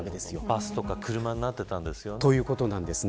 バスとか車になってたんですね。